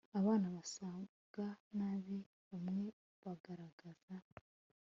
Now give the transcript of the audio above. Abana basaga nabi Bamwe bagaragazaga